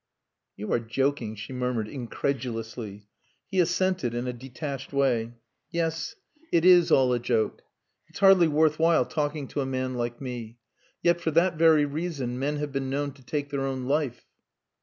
"You are joking," she murmured incredulously. He assented in a detached way. "Yes. It is all a joke. It's hardly worth while talking to a man like me. Yet for that very reason men have been known to take their own life."